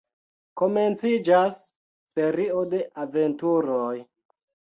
Komenciĝas serio de aventuroj.